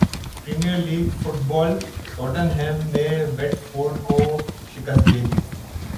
premiere league فٹبالٹوٹنہم نے Watford کو شکست دیدی